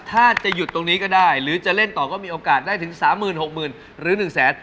ถ้าจะหยุดตรงนี้ก็ได้หรือจะเล่นต่อก็มีโอกาสได้ถึง๓๖๐๐๐หรือ๑แสน